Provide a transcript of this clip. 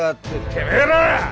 てめえら！